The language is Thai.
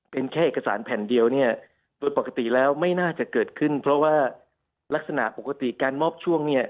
เป็นแค่เอกสารแผ่นเดียวเนี่ย